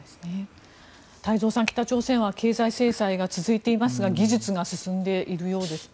太蔵さん、北朝鮮は経済制裁が続いていますが技術が進んでいるようですね。